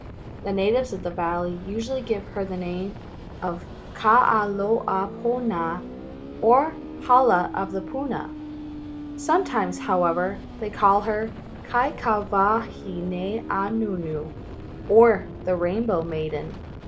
The natives of the valley usually give her the name of Kahalaopuna, or The Hala of Puna. Sometimes, however, they call her Kaikawahine Anuenue, or The Rainbow Maiden.